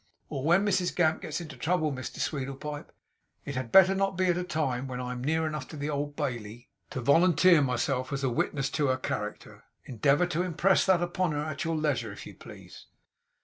Or when Mrs Gamp gets into trouble, Mr Sweedlepipe, it had better not be at a time when I am near enough to the Old Bailey to volunteer myself as a witness to her character. Endeavour to impress that upon her at your leisure, if you please.